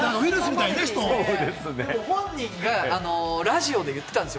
本人がラジオで言ってたんですよ。